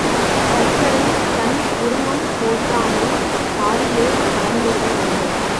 சர்க்கரை தன் உருவம் தோற்றாமல் பாலிலே கலந்துவிட வேண்டும்.